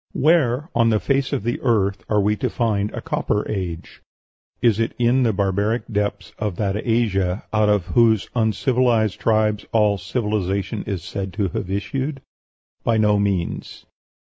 Where on the face of the earth are we to find a Copper Age? Is it in the barbaric depths of that Asia out of whose uncivilized tribes all civilization is said to have issued? By no means.